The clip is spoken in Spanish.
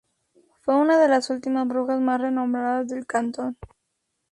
Fue una de las últimas brujas más renombradas del cantón.